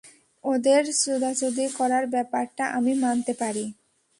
ওদের চুদাচুদি করার ব্যাপারটা আমি মানতে পারি।